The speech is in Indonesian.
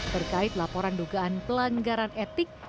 terkait laporan dugaan pelanggaran etik